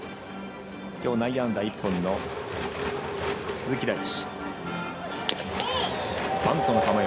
きょう、内野安打１本の鈴木大地。